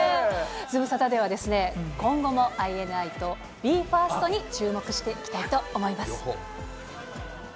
ズムサタでは、今後もＩＮＩとＢＥＦＩＲＳＴに注目していきたいと思います。